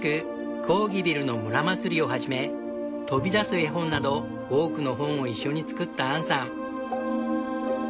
「コーギビルの村まつり」をはじめ飛び出す絵本など多くの本を一緒に作ったアンさん。